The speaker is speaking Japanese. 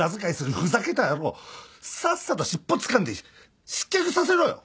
ふざけた野郎さっさと尻尾つかんで失脚させろよ！